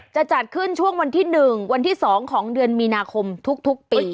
จะจัดขึ้นช่วงวันที่๑วันที่๒ของเดือนมีนาคมทุกปี